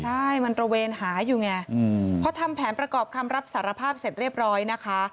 ใช่มันตระเวนหาอยู่ไงพอทำแผนประกอบคำรับสารภาพเสร็จเรียบร้อยนะคะ